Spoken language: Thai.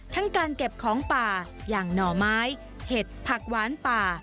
การเก็บของป่าอย่างหน่อไม้เห็ดผักหวานป่า